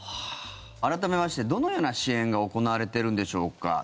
改めましてどのような支援が行われているのでしょうか。